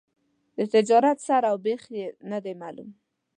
د تجارت سر او بېخ یې نه دي معلوم.